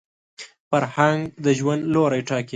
فرهنګ د ژوند لوري ټاکي